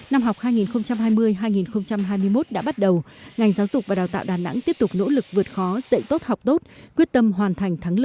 năm học hai nghìn hai mươi hai nghìn hai mươi một đã bắt đầu ngành giáo dục và đào tạo đà nẵng tiếp tục nỗ lực vượt khó dạy tốt học tốt quyết tâm hoàn thành thắng lợi